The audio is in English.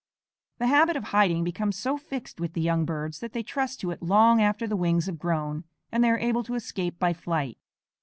The habit of hiding becomes so fixed with the young birds that they trust to it long after the wings have grown and they are able to escape by flight.